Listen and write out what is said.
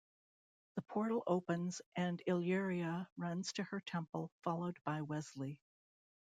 The portal opens and Illyria runs to her temple, followed by Wesley.